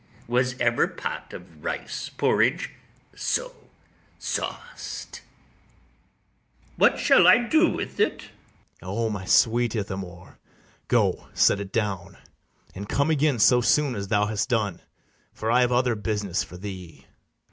was ever pot of rice porridge so sauced? [Aside]. What shall I do with it? BARABAS. O my sweet Ithamore, go set it down; And come again so soon as thou hast done, For I have other business for thee.